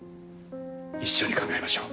一緒に考えましょう！